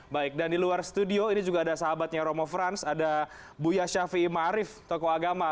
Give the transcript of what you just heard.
baik dan di luar studio ini juga ada sahabatnya romo frans ada buya syafi'i marif toko agama